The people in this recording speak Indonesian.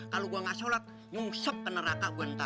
kalo gua gak sholat nyusup ke neraka gua ntar